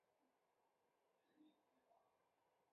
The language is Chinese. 当地的公司免费地将这些屋子改造成办公室。